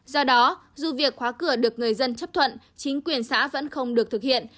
do đó dù việc khóa cửa được người dân chấp thuận chính quyền xã vẫn không được thực hiện